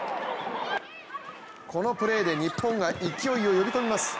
このプレーで日本が勢いを呼び込みます。